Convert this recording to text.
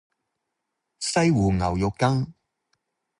西湖牛肉羹